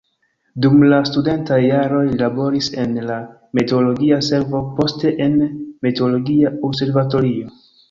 Dum la studentaj jaroj li laboris en la meteologia servo, poste en meteologia observatorio.